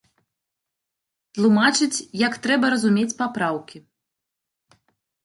Тлумачыць, як трэба разумець папраўкі.